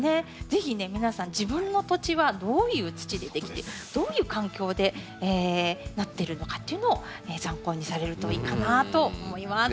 是非ね皆さん自分の土地はどういう土でできてどういう環境でなってるのかというのを参考にされるといいかなと思います。